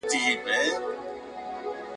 د کتاب لوستل انسان ته د نويو مفکورو دروازې ..